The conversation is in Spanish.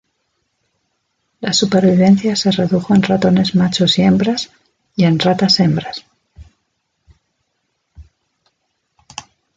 La supervivencia se redujo en ratones machos y hembras, y en ratas hembras.